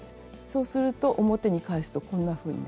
そうすると表に返すとこんなふうになります。